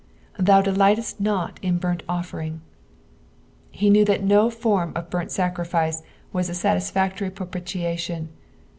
" Tiov delightett not in burnt offering. He knew that no form of burnt sacriflce was ti satisfactory propitiation.